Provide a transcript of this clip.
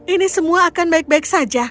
ini semua akan baik baik saja